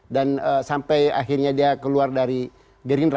dan sampai akhirnya dia keluar dari gerindra